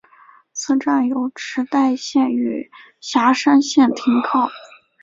此站有池袋线与狭山线停靠。